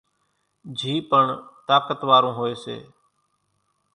جھِي پڻ طاقت وارون هوئيَ سي۔